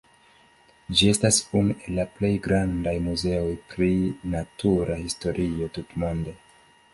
Ĝi estas unu el la plej grandaj muzeoj pri natura historio tutmonde.